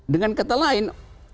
dengan kata lain